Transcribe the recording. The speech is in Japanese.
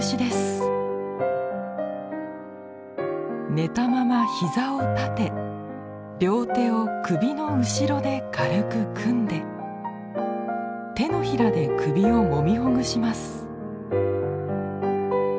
寝たまま膝を立て両手を首の後ろで軽く組んで手のひらで首をもみほぐします。